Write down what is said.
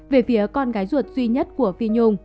về phía con gái ruột duy nhất của phi nhung